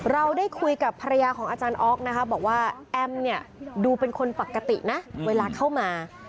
เราได้คุยกับภรรยาของอาจารย์ออฟนะคะบอกว่าแอมเนี่ยดูเป็นคนปกตินะเวลาเข้ามา